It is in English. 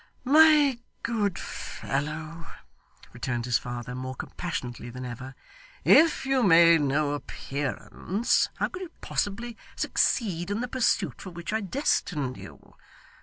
'My good fellow,' returned his father more compassionately than ever, 'if you made no appearance, how could you possibly succeed in the pursuit for which I destined you?